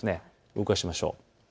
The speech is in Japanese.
動かしましょう。